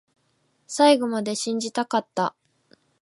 最後まで信じたかった